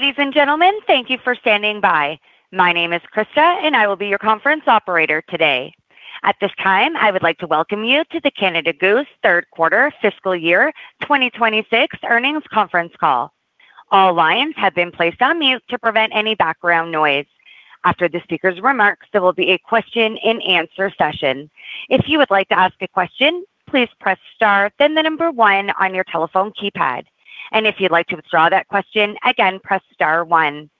Ladies and gentlemen, thank you for standing by. My name is Krista, and I will be your conference operator today. At this time, I would like to welcome you to the Canada Goose third quarter fiscal year 2026 earnings conference call. All lines have been placed on mute to prevent any background noise. After the speaker's remarks, there will be a question-and-answer session. If you would like to ask a question, please press star, then the number one on your telephone keypad. If you'd like to withdraw that question, again, press star one.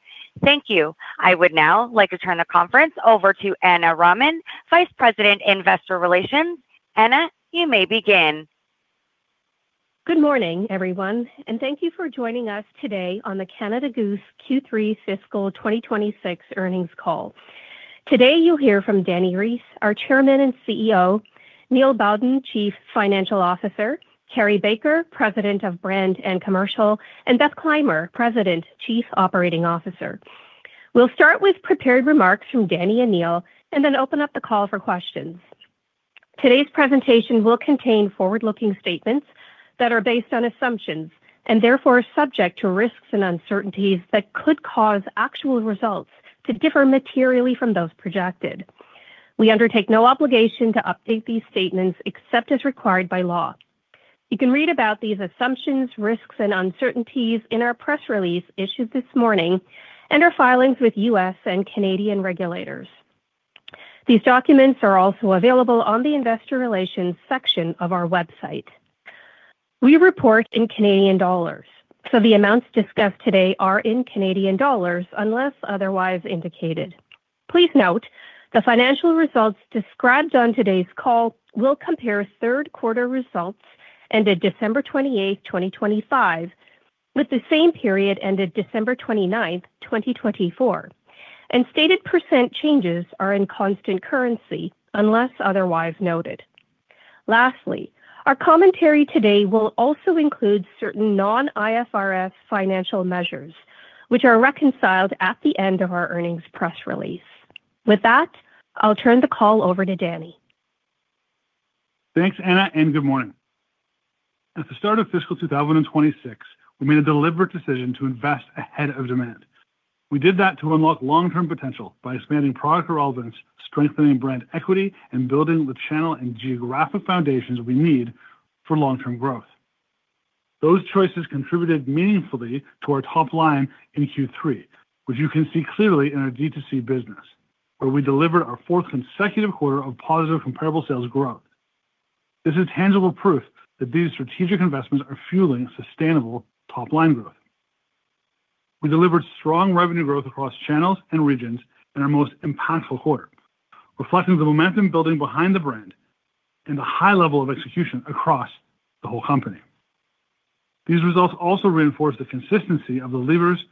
Thank you. I would now like to turn the conference over to Ana Raman, Vice President, Investor Relations. Ana, you may begin. Good morning, everyone, and thank you for joining us today on the Canada Goose Q3 fiscal 2026 earnings call. Today, you'll hear from Dani Reiss, our Chairman and CEO, Neil Bowden, Chief Financial Officer, Carrie Baker, President of Brand and Commercial, and Beth Clymer, President, Chief Operating Officer. We'll start with prepared remarks from Dani and Neil and then open up the call for questions. Today's presentation will contain forward-looking statements that are based on assumptions and therefore are subject to risks and uncertainties that could cause actual results to differ materially from those projected. We undertake no obligation to update these statements except as required by law. You can read about these assumptions, risks, and uncertainties in our press release issued this morning and our filings with U.S. and Canadian regulators. These documents are also available on the investor relations section of our website. We report in Canadian dollars, so the amounts discussed today are in Canadian dollars, unless otherwise indicated. Please note, the financial results described on today's call will compare third quarter results ended December 28, 2025, with the same period ended December 29th, 2024, and stated percent changes are in constant currency unless otherwise noted. Lastly, our commentary today will also include certain non-IFRS financial measures, which are reconciled at the end of our earnings press release. With that, I'll turn the call over to Dani. Thanks, Ana, and good morning. At the start of fiscal 2026, we made a deliberate decision to invest ahead of demand. We did that to unlock long-term potential by expanding product relevance, strengthening brand equity, and building the channel and geographic foundations we need for long-term growth. Those choices contributed meaningfully to our top line in Q3, which you can see clearly in our D2C business, where we delivered our fourth consecutive quarter of positive comparable sales growth. This is tangible proof that these strategic investments are fueling sustainable top-line growth. We delivered strong revenue growth across channels and regions in our most impactful quarter, reflecting the momentum building behind the brand and the high level of execution across the whole company. These results also reinforce the consistency of the levers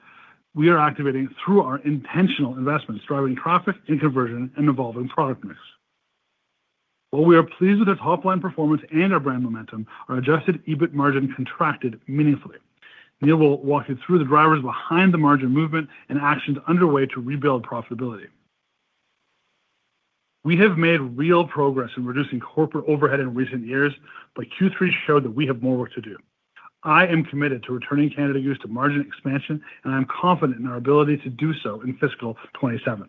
we are activating through our intentional investments, driving traffic and conversion and evolving product mix. While we are pleased with our top-line performance and our brand momentum, our Adjusted EBIT margin contracted meaningfully. Neil will walk you through the drivers behind the margin movement and actions underway to rebuild profitability. We have made real progress in reducing corporate overhead in recent years, but Q3 showed that we have more work to do. I am committed to returning Canada Goose to margin expansion, and I'm confident in our ability to do so in fiscal 2027.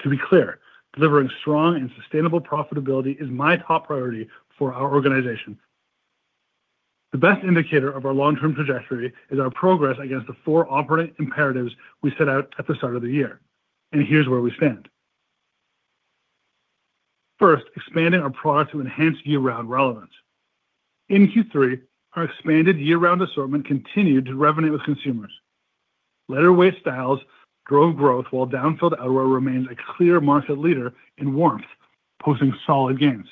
To be clear, delivering strong and sustainable profitability is my top priority for our organization. The best indicator of our long-term trajectory is our progress against the four operating imperatives we set out at the start of the year, and here's where we stand. First, expanding our product to enhance year-round relevance. In Q3, our expanded year-round assortment continued to resonate with consumers. Lighter weight styles drove growth, while down-filled outerwear remains a clear market leader in warmth, posting solid gains.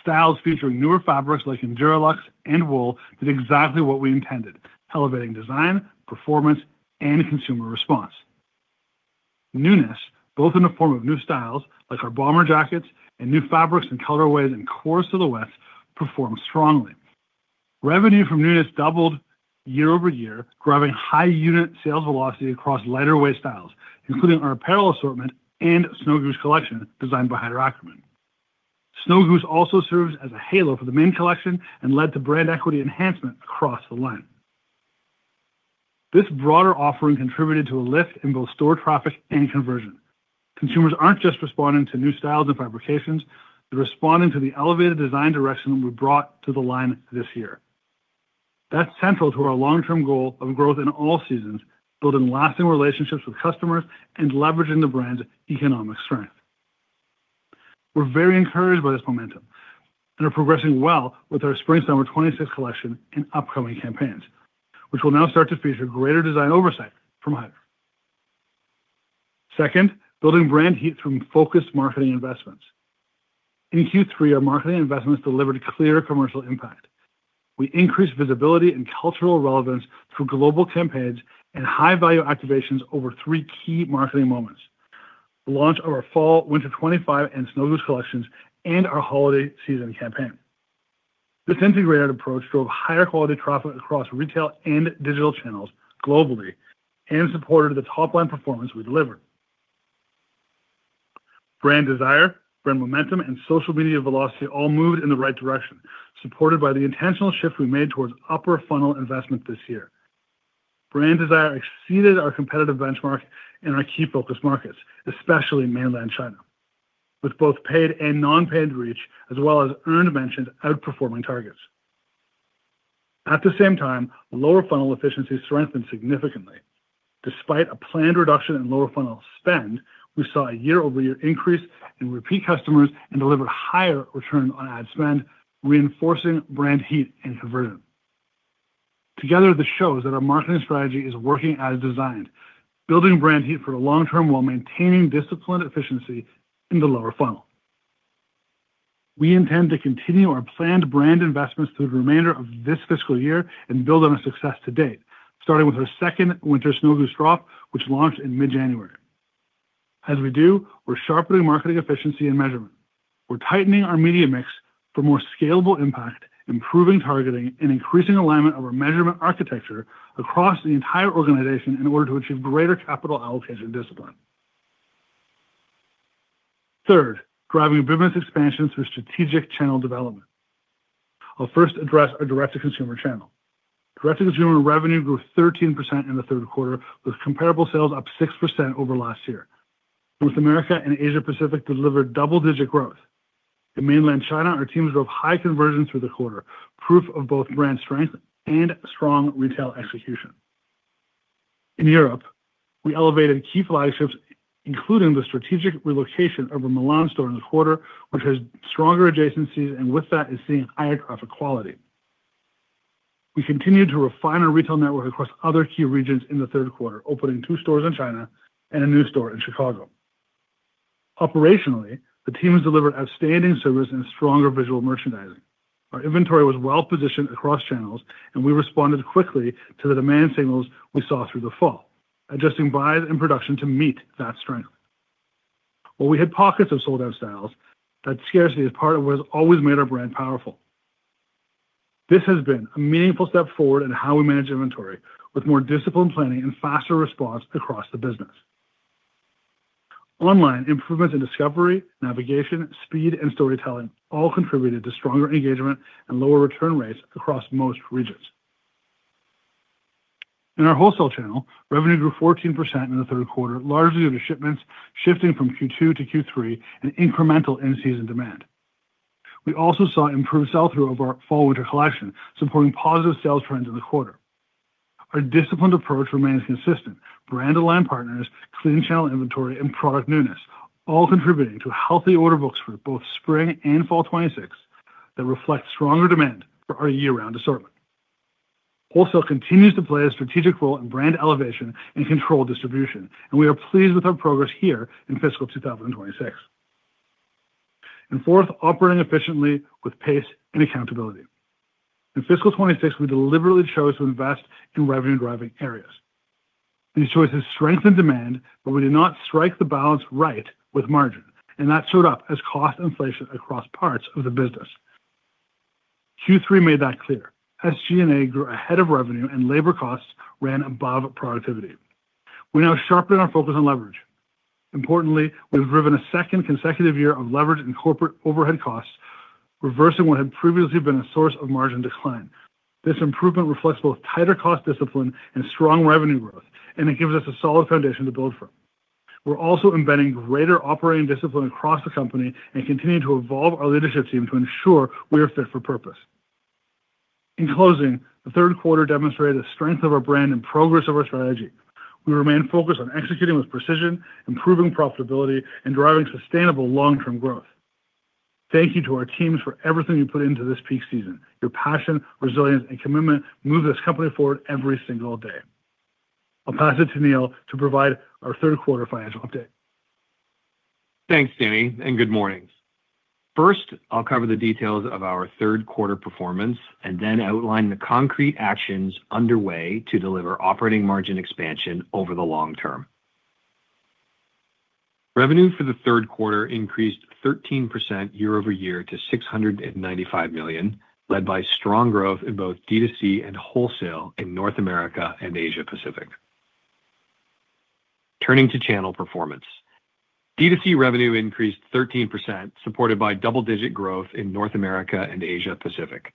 Styles featuring newer fabrics like EnduraLuxe and wool did exactly what we intended, elevating design, performance, and consumer response. Newness, both in the form of new styles like our bomber jackets and new fabrics and colorways and core silhouettes, performed strongly. Revenue from newness doubled year over year, grabbing high unit sales velocity across lighter weight styles, including our apparel assortment and Snow Goose collection designed by Haider Ackermann. Snow Goose also serves as a halo for the main collection and led to brand equity enhancement across the line. This broader offering contributed to a lift in both store traffic and conversion. Consumers aren't just responding to new styles and fabrications, they're responding to the elevated design direction that we brought to the line this year. That's central to our long-term goal of growth in all seasons, building lasting relationships with customers, and leveraging the brand's economic strength. We're very encouraged by this momentum and are progressing well with our Spring/Summer 2026 collection and upcoming campaigns, which will now start to feature greater design oversight from Haider. Second, building brand heat through focused marketing investments. In Q3, our marketing investments delivered a clear commercial impact. We increased visibility and cultural relevance through global campaigns and high-value activations over three key marketing moments: the launch of our Fall/Winter 2025 and Snow Goose collections and our holiday season campaign. This integrated approach drove higher quality traffic across retail and digital channels globally and supported the top-line performance we delivered.... Brand desire, brand momentum, and social media velocity all moved in the right direction, supported by the intentional shift we made towards upper funnel investment this year. Brand desire exceeded our competitive benchmark in our key focus markets, especially in Mainland China, with both paid and non-paid reach, as well as earned mentions outperforming targets. At the same time, lower funnel efficiency strengthened significantly. Despite a planned reduction in lower funnel spend, we saw a year-over-year increase in repeat customers and delivered higher return on ad spend, reinforcing brand heat and conversion. Together, this shows that our marketing strategy is working as designed, building brand heat for the long term while maintaining disciplined efficiency in the lower funnel. We intend to continue our planned brand investments through the remainder of this fiscal year and build on our success to date, starting with our second winter Snow Goose drop, which launched in mid-January. As we do, we're sharpening marketing efficiency and measurement. We're tightening our media mix for more scalable impact, improving targeting, and increasing alignment of our measurement architecture across the entire organization in order to achieve greater capital allocation discipline. Third, driving business expansion through strategic channel development. I'll first address our direct-to-consumer channel. Direct-to-consumer revenue grew 13% in the third quarter, with comparable sales up 6% over last year. North America and Asia Pacific delivered double-digit growth. In Mainland China, our teams drove high conversion through the quarter, proof of both brand strength and strong retail execution. In Europe, we elevated key flagships, including the strategic relocation of our Milan store in the quarter, which has stronger adjacencies, and with that, is seeing higher traffic quality. We continued to refine our retail network across other key regions in the third quarter, opening two stores in China and a new store in Chicago. Operationally, the teams delivered outstanding service and stronger visual merchandising. Our inventory was well-positioned across channels, and we responded quickly to the demand signals we saw through the fall, adjusting buys and production to meet that strength. While we had pockets of sold-out styles, that scarcity is part of what has always made our brand powerful. This has been a meaningful step forward in how we manage inventory, with more disciplined planning and faster response across the business. Online, improvements in discovery, navigation, speed, and storytelling all contributed to stronger engagement and lower return rates across most regions. In our wholesale channel, revenue grew 14% in the third quarter, largely due to shipments shifting from Q2 to Q3 and incremental in-season demand. We also saw improved sell-through of our fall/winter collection, supporting positive sales trends in the quarter. Our disciplined approach remains consistent. Brand-aligned partners, clean channel inventory, and product newness, all contributing to healthy order books for both spring and Fall 2026 that reflect stronger demand for our year-round assortment. Wholesale continues to play a strategic role in brand elevation and controlled distribution, and we are pleased with our progress here in fiscal 2026. And fourth, operating efficiently with pace and accountability. In Fiscal 2026, we deliberately chose to invest in revenue-driving areas. These choices strengthened demand, but we did not strike the balance right with margin, and that showed up as cost inflation across parts of the business. Q3 made that clear. As SG&A grew ahead of revenue and labor costs ran above productivity, we now sharpen our focus on leverage. Importantly, we've driven a second consecutive year of leverage in corporate overhead costs, reversing what had previously been a source of margin decline. This improvement reflects both tighter cost discipline and strong revenue growth, and it gives us a solid foundation to build from. We're also embedding greater operating discipline across the company and continuing to evolve our leadership team to ensure we are fit for purpose. In closing, the third quarter demonstrated the strength of our brand and progress of our strategy. We remain focused on executing with precision, improving profitability, and driving sustainable long-term growth. Thank you to our teams for everything you put into this peak season. Your passion, resilience, and commitment move this company forward every single day. I'll pass it to Neil to provide our third quarter financial update. Thanks, Dani, and good morning. First, I'll cover the details of our third quarter performance and then outline the concrete actions underway to deliver operating margin expansion over the long term. Revenue for the third quarter increased 13% year-over-year to 695 million, led by strong growth in both D2C and wholesale in North America and Asia Pacific. Turning to channel performance. D2C revenue increased 13%, supported by double-digit growth in North America and Asia Pacific.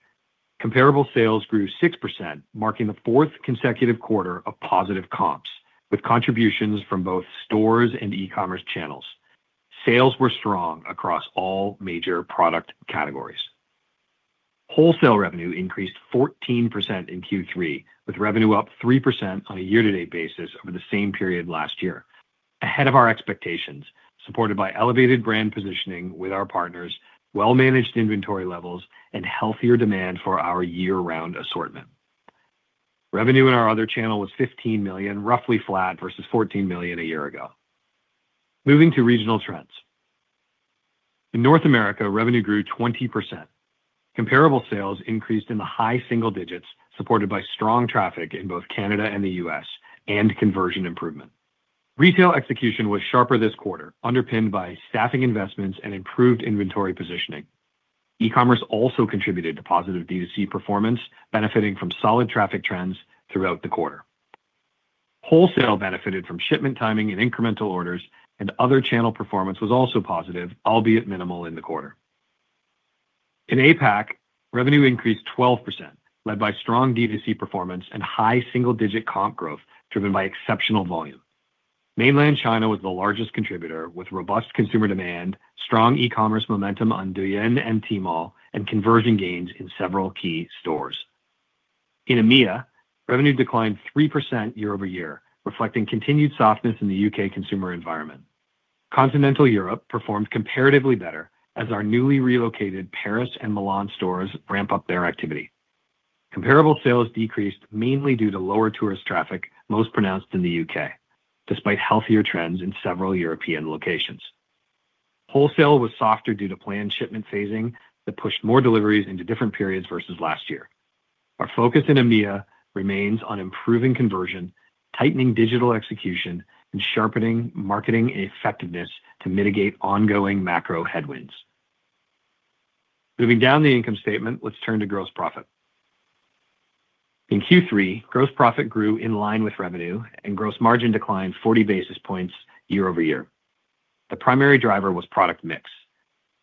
Comparable sales grew 6%, marking the fourth consecutive quarter of positive comps, with contributions from both stores and e-commerce channels. Sales were strong across all major product categories. Wholesale revenue increased 14% in Q3, with revenue up 3% on a year-to-date basis over the same period last year. Ahead of our expectations, supported by elevated brand positioning with our partners, well-managed inventory levels, and healthier demand for our year-round assortment. Revenue in our other channel was 15 million, roughly flat versus 14 million a year ago. Moving to regional trends. In North America, revenue grew 20%. Comparable sales increased in the high single digits, supported by strong traffic in both Canada and the U.S., and conversion improvement. Retail execution was sharper this quarter, underpinned by staffing investments and improved inventory positioning. E-commerce also contributed to positive D2C performance, benefiting from solid traffic trends throughout the quarter. Wholesale benefited from shipment timing and incremental orders, and other channel performance was also positive, albeit minimal in the quarter. In APAC, revenue increased 12%, led by strong D2C performance and high single-digit comp growth, driven by exceptional volume. Mainland China was the largest contributor, with robust consumer demand, strong e-commerce momentum on Douyin and Tmall, and conversion gains in several key stores. In EMEA, revenue declined 3% year-over-year, reflecting continued softness in the U.K. consumer environment. Continental Europe performed comparatively better as our newly relocated Paris and Milan stores ramp up their activity. Comparable sales decreased mainly due to lower tourist traffic, most pronounced in the U.K., despite healthier trends in several European locations. Wholesale was softer due to planned shipment phasing that pushed more deliveries into different periods versus last year. Our focus in EMEA remains on improving conversion, tightening digital execution, and sharpening marketing effectiveness to mitigate ongoing macro headwinds. Moving down the income statement, let's turn to gross profit. In Q3, gross profit grew in line with revenue, and gross margin declined 40 basis points year-over-year. The primary driver was product mix.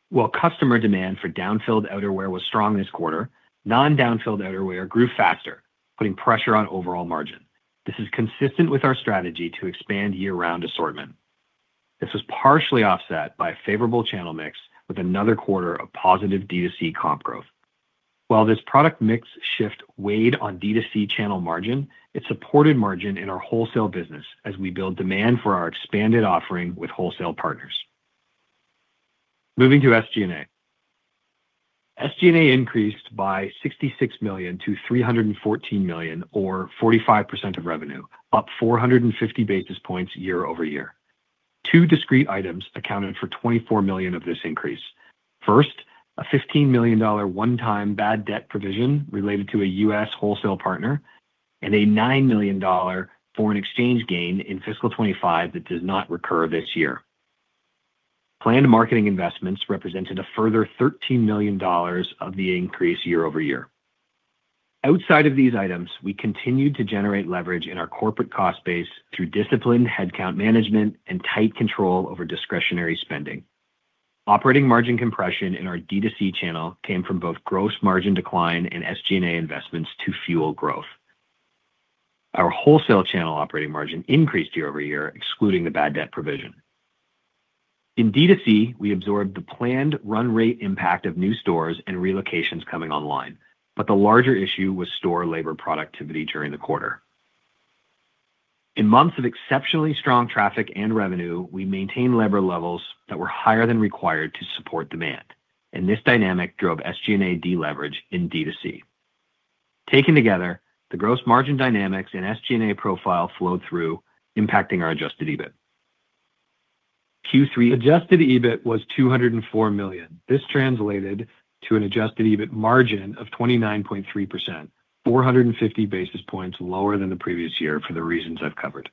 While customer demand for down-filled outerwear was strong this quarter, non-down-filled outerwear grew faster, putting pressure on overall margin. This is consistent with our strategy to expand year-round assortment. This was partially offset by a favorable channel mix with another quarter of positive D2C comp growth. While this product mix shift weighed on D2C channel margin, it supported margin in our wholesale business as we build demand for our expanded offering with wholesale partners. Moving to SG&A. SG&A increased by 66 million to 314 million, or 45% of revenue, up 450 basis points year-over-year. Two discrete items accounted for 24 million of this increase. First, a 15 million dollar one-time bad debt provision related to a U.S. wholesale partner, and a 9 million dollar foreign exchange gain in fiscal 2025 that does not recur this year. Planned marketing investments represented a further 13 million dollars of the increase year-over-year. Outside of these items, we continued to generate leverage in our corporate cost base through disciplined headcount management and tight control over discretionary spending. Operating margin compression in our D2C channel came from both gross margin decline and SG&A investments to fuel growth. Our wholesale channel operating margin increased year-over-year, excluding the bad debt provision. In D2C, we absorbed the planned run rate impact of new stores and relocations coming online, but the larger issue was store labor productivity during the quarter. In months of exceptionally strong traffic and revenue, we maintained labor levels that were higher than required to support demand, and this dynamic drove SG&A deleverage in D2C. Taken together, the gross margin dynamics and SG&A profile flowed through, impacting our adjusted EBIT. Q3 adjusted EBIT was 204 million. This translated to an adjusted EBIT margin of 29.3%, 450 basis points lower than the previous year for the reasons I've covered.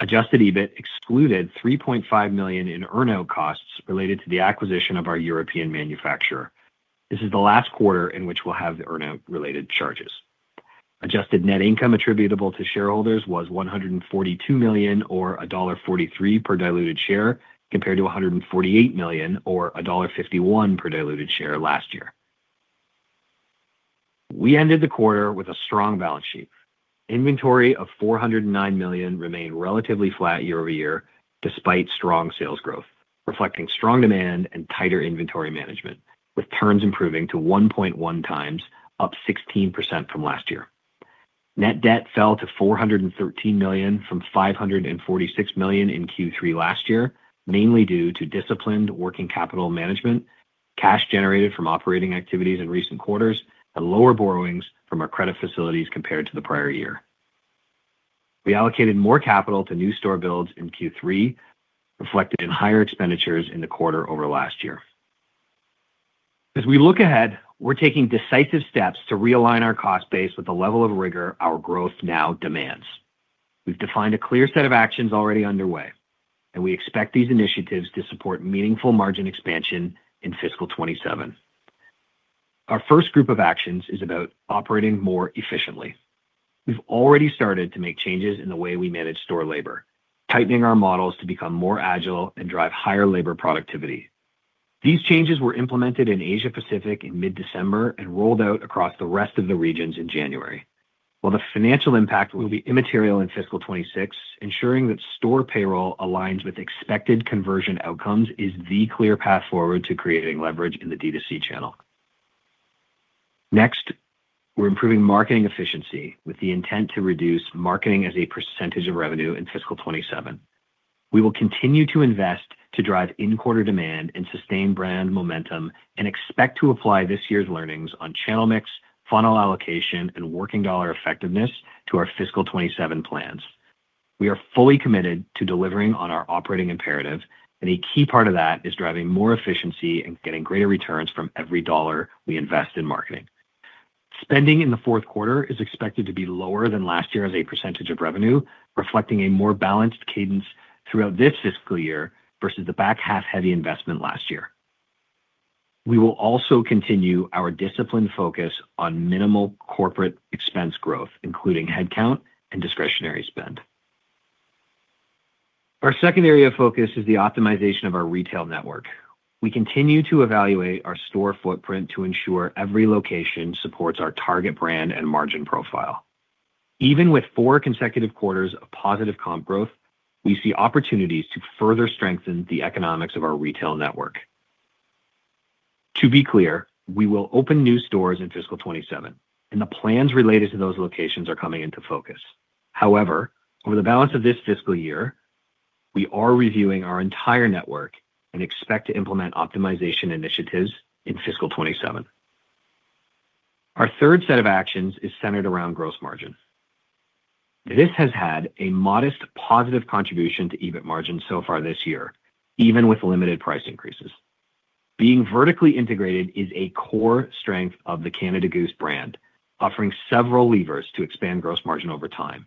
Adjusted EBIT excluded 3.5 million in earn-out costs related to the acquisition of our European manufacturer. This is the last quarter in which we'll have the earn-out related charges. Adjusted net income attributable to shareholders was 142 million, or dollar 1.43 per diluted share, compared to 148 million or dollar 1.51 per diluted share last year. We ended the quarter with a strong balance sheet. Inventory of 409 million remained relatively flat year-over-year, despite strong sales growth, reflecting strong demand and tighter inventory management, with turns improving to 1.1x, up 16% from last year. Net debt fell to 413 million from 546 million in Q3 last year, mainly due to disciplined working capital management, cash generated from operating activities in recent quarters, and lower borrowings from our credit facilities compared to the prior year. We allocated more capital to new store builds in Q3, reflected in higher expenditures in the quarter over last year. As we look ahead, we're taking decisive steps to realign our cost base with the level of rigor our growth now demands. We've defined a clear set of actions already underway, and we expect these initiatives to support meaningful margin expansion in fiscal 2027. Our first group of actions is about operating more efficiently. We've already started to make changes in the way we manage store labor, tightening our models to become more agile and drive higher labor productivity. These changes were implemented in Asia Pacific in mid-December and rolled out across the rest of the regions in January. While the financial impact will be immaterial in fiscal 2026, ensuring that store payroll aligns with expected conversion outcomes is the clear path forward to creating leverage in the D2C channel. Next, we're improving marketing efficiency with the intent to reduce marketing as a percentage of revenue in fiscal 2027. We will continue to invest to drive in-quarter demand and sustain brand momentum, and expect to apply this year's learnings on channel mix, funnel allocation, and working dollar effectiveness to our fiscal 2027 plans. We are fully committed to delivering on our operating imperatives, and a key part of that is driving more efficiency and getting greater returns from every dollar we invest in marketing. Spending in the fourth quarter is expected to be lower than last year as a percentage of revenue, reflecting a more balanced cadence throughout this fiscal year versus the back-half-heavy investment last year. We will also continue our disciplined focus on minimal corporate expense growth, including headcount and discretionary spend. Our second area of focus is the optimization of our retail network. We continue to evaluate our store footprint to ensure every location supports our target brand and margin profile. Even with 4 consecutive quarters of positive comp growth, we see opportunities to further strengthen the economics of our retail network. To be clear, we will open new stores in fiscal 2027, and the plans related to those locations are coming into focus. However, over the balance of this fiscal year, we are reviewing our entire network and expect to implement optimization initiatives in fiscal 2027. Our third set of actions is centered around gross margin. This has had a modest positive contribution to EBIT margin so far this year, even with limited price increases. Being vertically integrated is a core strength of the Canada Goose brand, offering several levers to expand gross margin over time,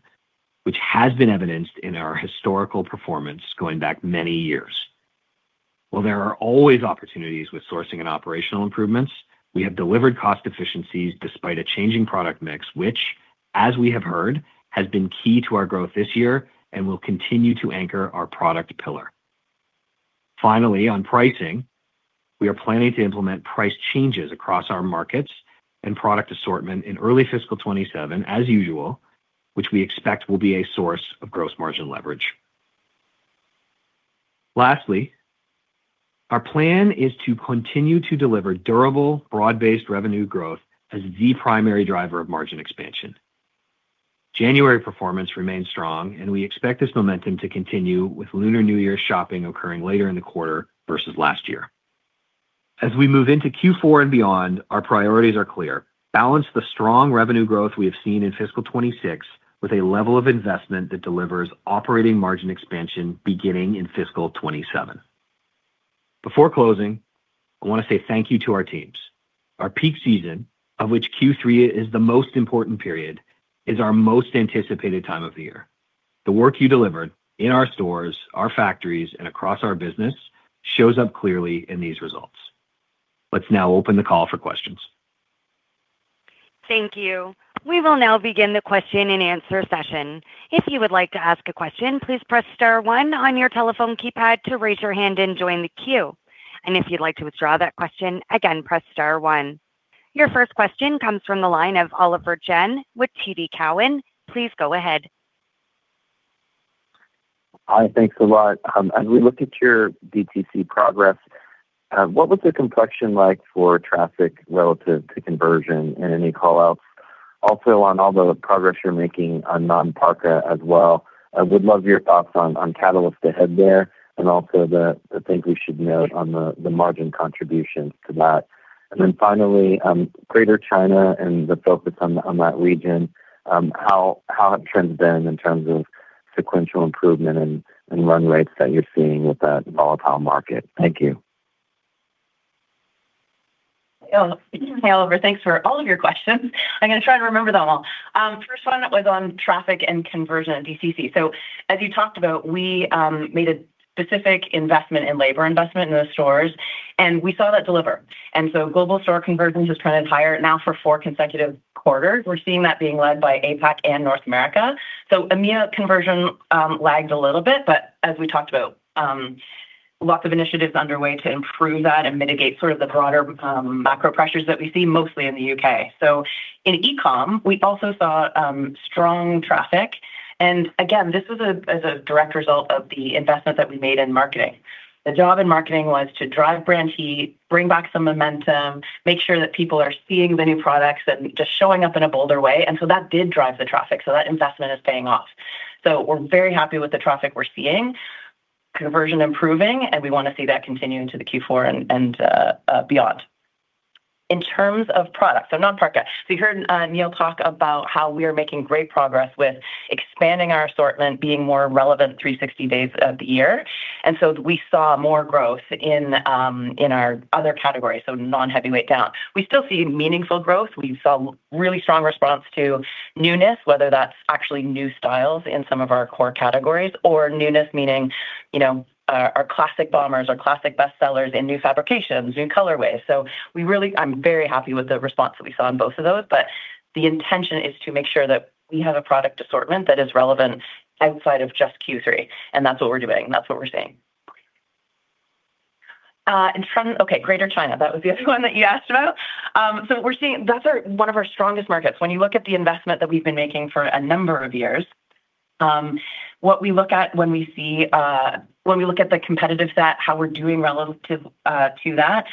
which has been evidenced in our historical performance going back many years. While there are always opportunities with sourcing and operational improvements, we have delivered cost efficiencies despite a changing product mix, which, as we have heard, has been key to our growth this year and will continue to anchor our product pillar. Finally, on pricing, we are planning to implement price changes across our markets and product assortment in early fiscal 2027, as usual, which we expect will be a source of gross margin leverage. Lastly, our plan is to continue to deliver durable, broad-based revenue growth as the primary driver of margin expansion. January performance remains strong, and we expect this momentum to continue with Lunar New Year shopping occurring later in the quarter versus last year. As we move into Q4 and beyond, our priorities are clear. Balance the strong revenue growth we have seen in fiscal 2026 with a level of investment that delivers operating margin expansion beginning in fiscal 2027. Before closing, I want to say thank you to our teams. Our peak season, of which Q3 is the most important period, is our most anticipated time of the year. The work you delivered in our stores, our factories, and across our business shows up clearly in these results. Let's now open the call for questions. Thank you. We will now begin the question and answer session. If you would like to ask a question, please press star one on your telephone keypad to raise your hand and join the queue, and if you'd like to withdraw that question, again, press star one. Your first question comes from the line of Oliver Chen with TD Cowen. Please go ahead. Hi, thanks a lot. As we look at your D2C progress, what was the complexion like for traffic relative to conversion and any call-outs? Also, on all the progress you're making on non-parka as well, I would love your thoughts on catalysts ahead there, and also the things we should note on the margin contributions to that. Then finally, Greater China and the focus on that region, how it trends then in terms of sequential improvement and run rates that you're seeing with that volatile market? Thank you. Oh, hey, Oliver, thanks for all of your questions. I'm gonna try to remember them all. First one was on traffic and conversion at D2C. So as you talked about, we made a specific investment in labor investment in the stores, and we saw that deliver. And so global store conversions has trended higher now for four consecutive quarters. We're seeing that being led by APAC and North America. So EMEA conversion lagged a little bit, but as we talked about, lots of initiatives underway to improve that and mitigate sort of the broader macro pressures that we see mostly in the U.K. So in e-com, we also saw strong traffic, and again, this was as a direct result of the investment that we made in marketing. The job in marketing was to drive brand heat, bring back some momentum, make sure that people are seeing the new products that just showing up in a bolder way, and so that did drive the traffic, so that investment is paying off. So we're very happy with the traffic we're seeing, conversion improving, and we wanna see that continue into the Q4 and beyond. In terms of products, so non-parka. So you heard Neil talk about how we are making great progress with expanding our assortment, being more relevant 360 days of the year. So we saw more growth in our other categories, so non-heavyweight down. We still see meaningful growth. We saw really strong response to newness, whether that's actually new styles in some of our core categories, or newness, meaning, you know, our classic bombers, our classic bestsellers in new fabrications, new colorways. So we really... I'm very happy with the response that we saw on both of those, but the intention is to make sure that we have a product assortment that is relevant outside of just Q3, and that's what we're doing, and that's what we're seeing. And from... Okay, Greater China, that was the other one that you asked about. So we're seeing. That's our one of our strongest markets. When you look at the investment that we've been making for a number of years, what we look at when we see, when we look at the competitive set, how we're doing relative, to that,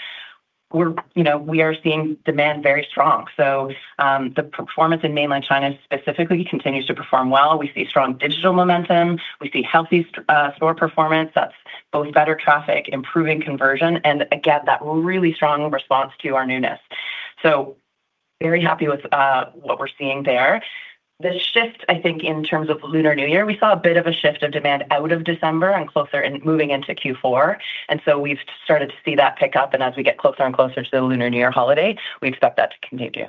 we're, you know, we are seeing demand very strong. So, the performance in Mainland China specifically continues to perform well. We see strong digital momentum, we see healthy store performance, that's both better traffic, improving conversion, and again, that really strong response to our newness. So very happy with what we're seeing there. The shift, I think, in terms of Lunar New Year, we saw a bit of a shift of demand out of December and closer and moving into Q4, and so we've started to see that pick up, and as we get closer and closer to the Lunar New Year holiday, we expect that to continue....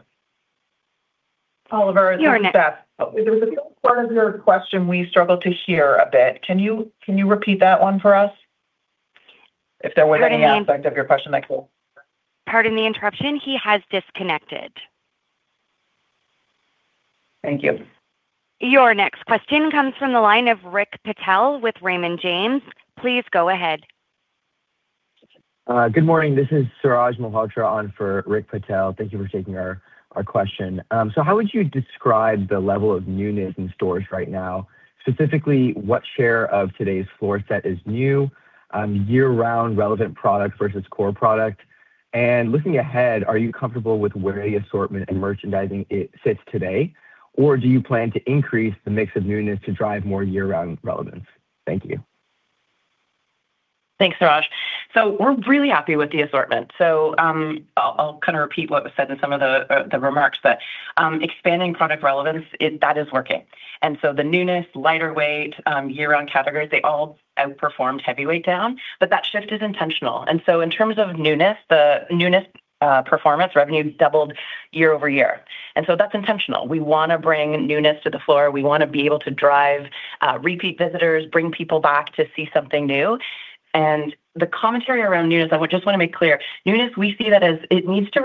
Oliver, this is Beth. There was a part of your question we struggled to hear a bit. Can you, can you repeat that one for us? If there was any aspect of your question that you- Pardon the interruption. He has disconnected. Thank you. Your next question comes from the line of Rick Patel with Raymond James. Please go ahead. Good morning. This is Suraj Malhotra on for Rick Patel. Thank you for taking our question. So how would you describe the level of newness in stores right now? Specifically, what share of today's floor set is new year-round relevant product versus core product? And looking ahead, are you comfortable with where the assortment and merchandising it sits today, or do you plan to increase the mix of newness to drive more year-round relevance? Thank you. Thanks, Suraj. So we're really happy with the assortment. So, I'll kind of repeat what was said in some of the remarks, but, expanding product relevance, it... that is working. And so the newness, lighter weight, year-round categories, they all outperformed heavyweight down, but that shift is intentional. And so in terms of newness, the newness, performance, revenue doubled year over year, and so that's intentional. We want to bring newness to the floor. We want to be able to drive, repeat visitors, bring people back to see something new. And the commentary around newness, I would just want to make clear, newness, we see that as it needs to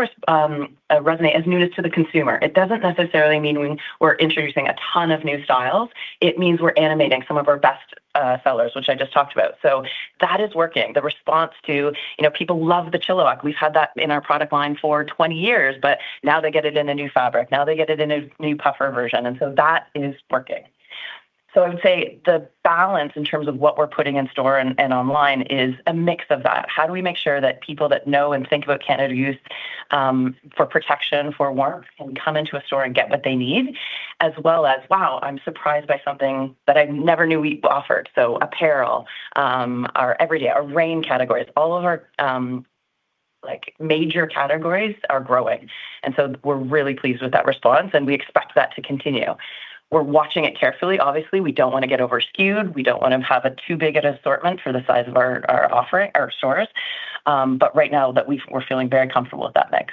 resonate as newness to the consumer. It doesn't necessarily mean we're introducing a ton of new styles. It means we're animating some of our best sellers, which I just talked about. So that is working. The response to, you know, people love the Chilliwack. We've had that in our product line for 20 years, but now they get it in a new fabric. Now they get it in a new puffer version, and so that is working. So I would say the balance in terms of what we're putting in store and online is a mix of that. How do we make sure that people that know and think about Canada Goose, for protection, for warmth, can come into a store and get what they need, as well as, "Wow, I'm surprised by something that I never knew we offered." So apparel, our everyday, our rain categories, all of our, like, major categories are growing, and so we're really pleased with that response, and we expect that to continue. We're watching it carefully. Obviously, we don't want to get over-skewed. We don't want to have a too big an assortment for the size of our, our offering, our stores. But right now we're feeling very comfortable with that mix.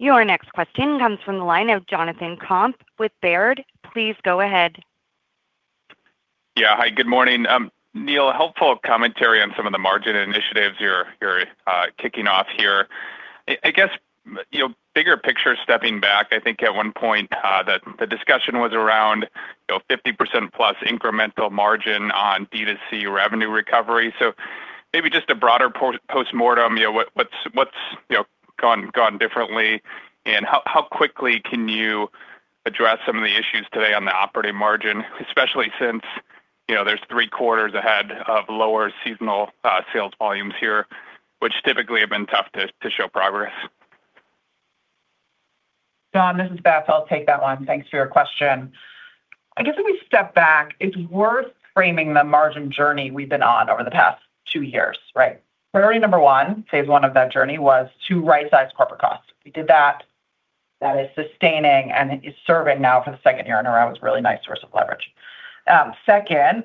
Your next question comes from the line of Jonathan Komp with Baird. Please go ahead. Yeah. Hi, good morning. Neil, helpful commentary on some of the margin initiatives you're kicking off here. I guess, you know, bigger picture, stepping back, I think at one point that the discussion was around, you know, 50%+ incremental margin on D2C revenue recovery. So maybe just a broader post, postmortem, you know, what's gone differently, and how quickly can you address some of the issues today on the operating margin, especially since, you know, there's three quarters ahead of lower seasonal sales volumes here, which typically have been tough to show progress? John, this is Beth. I'll take that one. Thanks for your question. I guess if we step back, it's worth framing the margin journey we've been on over the past 2 years, right? Priority number 1, phase one of that journey was to right-size corporate costs. We did that. That is sustaining and is serving now for the second year in a row, is a really nice source of leverage. Second,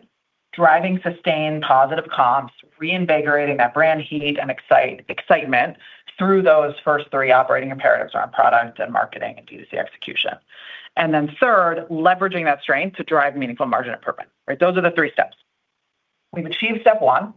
driving sustained positive comps, reinvigorating that brand heat and excite, excitement through those first 3 operating imperatives around product and marketing and D2C execution. And then third, leveraging that strength to drive meaningful margin improvement, right? Those are the 3 steps. We've achieved step one.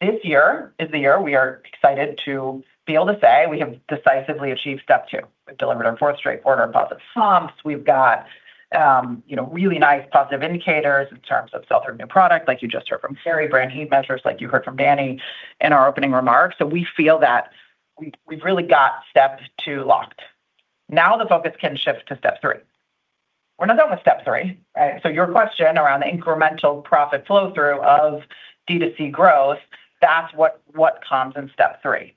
This year is the year we are excited to be able to say we have decisively achieved step two. We've delivered our fourth straight quarter of positive comps. We've got, you know, really nice positive indicators in terms of sell through new product, like you just heard from Carrie, brand heat measures, like you heard from Dani in our opening remarks. So we feel that we've, we've really got step two locked. Now, the focus can shift to step three. We're not done with step three, right? So your question around the incremental profit flow through of D2C growth, that's what, what comes in step three.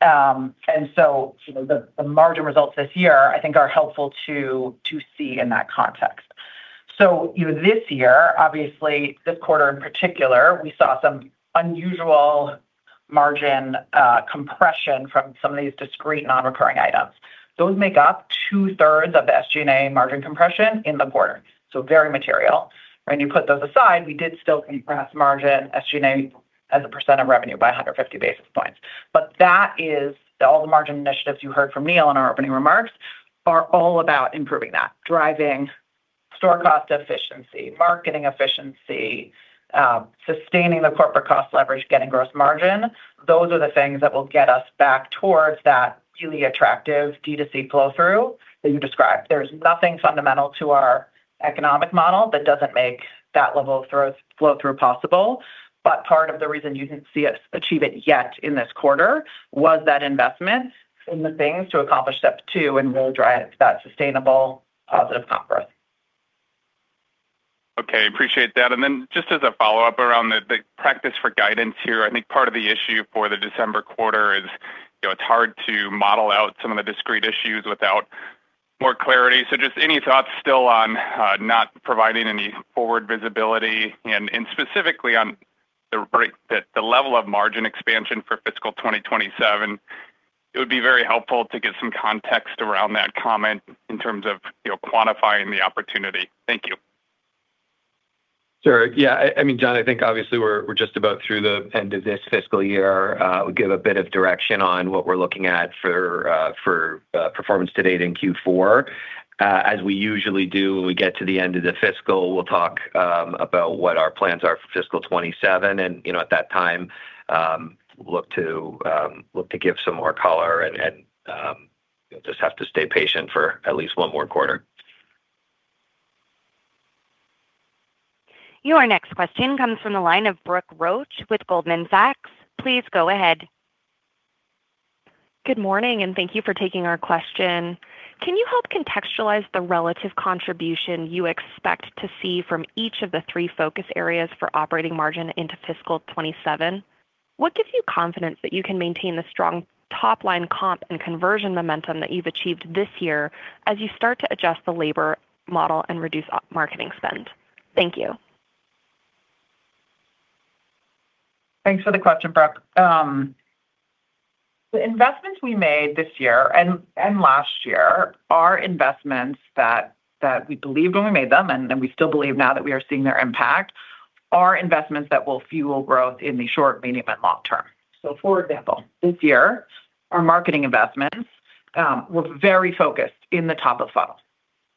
And so, you know, the, the margin results this year, I think, are helpful to, to see in that context. So, you know, this year, obviously, this quarter in particular, we saw some unusual margin compression from some of these discrete non-recurring items. Those make up 2/3 of the SG&A margin compression in the quarter, so very material. When you put those aside, we did still compress margin SG&A as a % of revenue by 150 basis points. But that is... All the margin initiatives you heard from Neil in our opening remarks are all about improving that, driving store cost efficiency, marketing efficiency, sustaining the corporate cost leverage, getting gross margin. Those are the things that will get us back towards that really attractive D2C flow through that you described. There's nothing fundamental to our economic model that doesn't make that level of flow through possible, but part of the reason you didn't see us achieve it yet in this quarter was that investment in the things to accomplish step two and really drive that sustainable positive comp growth. Okay, appreciate that. And then just as a follow-up around the practice for guidance here, I think part of the issue for the December quarter is, you know, it's hard to model out some of the discrete issues without more clarity. So just any thoughts still on not providing any forward visibility and specifically on the break, the level of margin expansion for fiscal 2027? It would be very helpful to get some context around that comment in terms of, you know, quantifying the opportunity. Thank you.... Sure. Yeah, I mean, John, I think obviously we're just about through the end of this fiscal year. We'll give a bit of direction on what we're looking at for performance to date in Q4. As we usually do when we get to the end of the fiscal, we'll talk about what our plans are for fiscal 2027, and, you know, at that time, look to give some more color and just have to stay patient for at least one more quarter. Your next question comes from the line of Brooke Roach with Goldman Sachs. Please go ahead. Good morning, and thank you for taking our question. Can you help contextualize the relative contribution you expect to see from each of the three focus areas for operating margin into fiscal 2027? What gives you confidence that you can maintain the strong top-line comp and conversion momentum that you've achieved this year as you start to adjust the labor model and reduce our marketing spend? Thank you. Thanks for the question, Brooke. The investments we made this year and last year are investments that we believed when we made them, and we still believe now that we are seeing their impact, are investments that will fuel growth in the short, medium, and long term. So, for example, this year, our marketing investments were very focused in the top of funnel,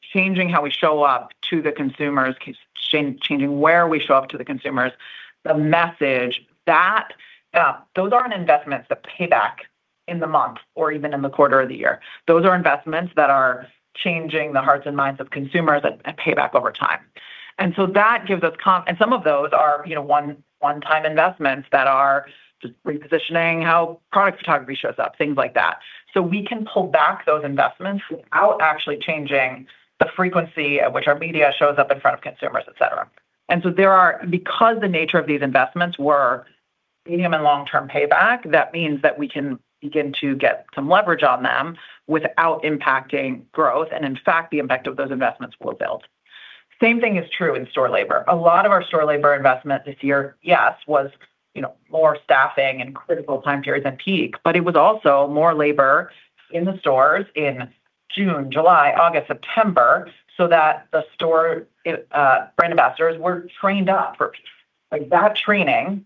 changing how we show up to the consumers, changing where we show up to the consumers. The message that those aren't investments that pay back in the month or even in the quarter of the year. Those are investments that are changing the hearts and minds of consumers that pay back over time. And so that gives us comp... Some of those are, you know, one-time investments that are just repositioning how product photography shows up, things like that. So we can pull back those investments without actually changing the frequency at which our media shows up in front of consumers, et cetera. And so there are, because the nature of these investments were medium and long-term payback, that means that we can begin to get some leverage on them without impacting growth, and in fact, the impact of those investments will build. Same thing is true in store labor. A lot of our store labor investment this year, yes, was, you know, more staffing and critical time periods and peak, but it was also more labor in the stores in June, July, August, September, so that the store brand ambassadors were trained up for... Like, that training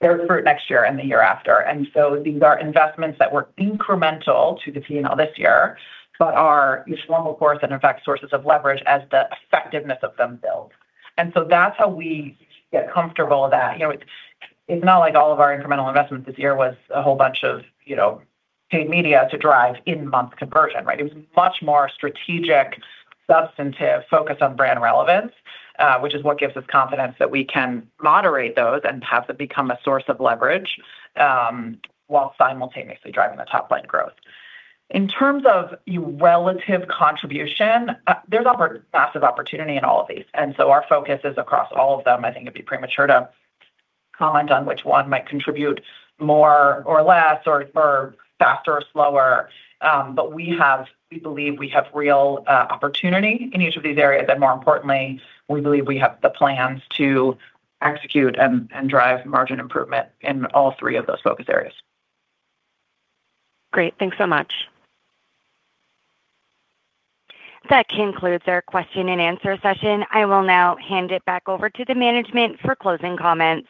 bears fruit next year and the year after. And so these are investments that were incremental to the P&L this year but are just normal course and, in fact, sources of leverage as the effectiveness of them build. And so that's how we get comfortable that, you know, it's not like all of our incremental investments this year was a whole bunch of, you know, paid media to drive in-month conversion, right? It was much more strategic, substantive focus on brand relevance, which is what gives us confidence that we can moderate those and have them become a source of leverage, while simultaneously driving the top-line growth. In terms of your relative contribution, there's massive opportunity in all of these, and so our focus is across all of them. I think it'd be premature to comment on which one might contribute more or less or, or faster or slower. We believe we have real opportunity in each of these areas, and more importantly, we believe we have the plans to execute and drive margin improvement in all three of those focus areas. Great. Thanks so much. That concludes our question-and-answer session. I will now hand it back over to the management for closing comments.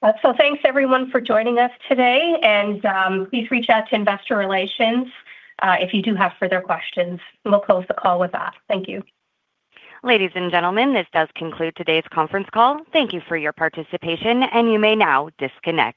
Thanks, everyone, for joining us today, and please reach out to Investor Relations if you do have further questions. We'll close the call with that. Thank you. Ladies and gentlemen, this does conclude today's conference call. Thank you for your participation, and you may now disconnect.